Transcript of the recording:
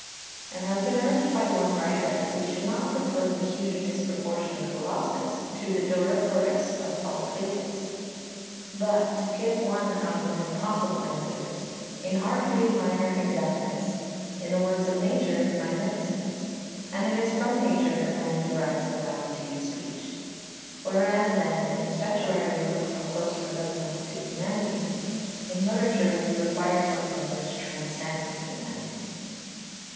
3 It has been urged by one writer that we should not prefer the huge disproportioned Colossus to the Doryphorus of Polycletus. But (to give one out of many possible answers) in art we admire exactness, in the works of nature magnificence; and it is from nature that man derives the faculty of speech. Whereas, then, in statuary we look for close resemblance to humanity, in literature we require something which transcends humanity.